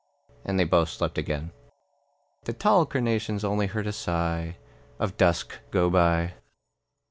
And they both slept again. The tall carnations only heard a sigh Of dusk go by.